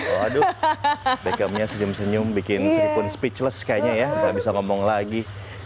waduh beckhamnya senyum senyum bikin seripun speechless kayaknya ya nggak bisa ngomong lagi